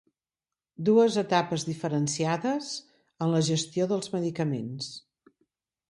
Dues etapes diferenciades en la gestió dels medicaments.